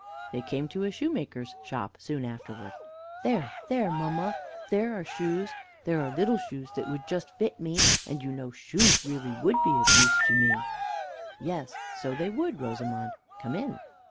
They came to a shoemaker's shop soon afterwards. "There, there! mamma, there are shoes; there are little shoes that would just fit me, and you know shoes would be really of use to me." "Yes, so they would, Rosamond. Come in."